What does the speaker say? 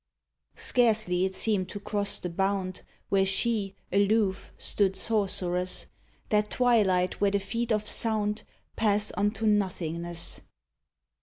Scarcely it seemed to cross the bound Where she, aloof, stood sorceress — That twilight where the feet of sound Pass unto nothingness.